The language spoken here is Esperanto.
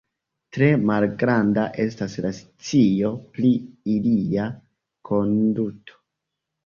Tre malgranda estas la scio pri ilia konduto.